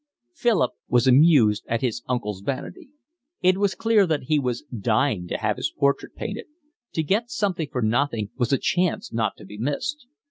Philip was amused at his uncle's vanity. It was clear that he was dying to have his portrait painted. To get something for nothing was a chance not to be missed.